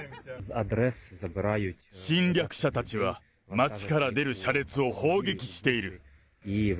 侵略者たちは、町から出る車列を砲撃している。